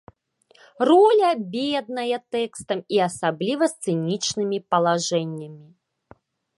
Роля бедная тэкстам і асабліва сцэнічнымі палажэннямі.